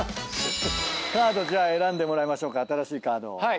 カード選んでもらいましょうか新しいカードを。